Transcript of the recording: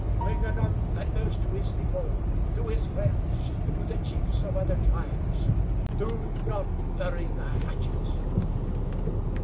Wingenund thunders to his people, to his friends, to the chiefs of other tribes: 'Do not bury the hatchet!'